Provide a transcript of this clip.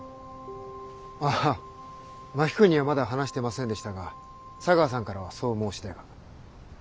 あ真木君にはまだ話してませんでしたが茶川さんからはそう申し出が。